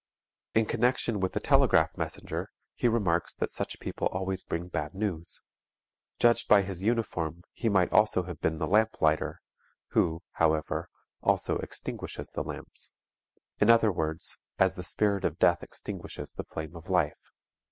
In connection with the telegraph messenger he remarks that such people always bring bad news. Judged by his uniform he might also have been the lamp lighter, who, however, also extinguishes the lamps in other words, as the spirit of death extinguishes the flame of life.